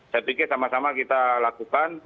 saya pikir sama sama kita lakukan